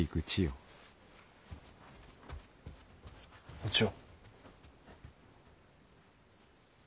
お千代？